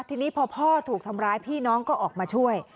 ทีนี้พอพ่อถูกทำร้ายพี่น้องก็ออกมาช่วย